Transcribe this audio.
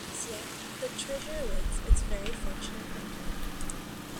As yet, the treasure awaits its very fortunate hunter.